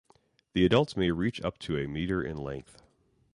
The adults may reach up to a metre in length.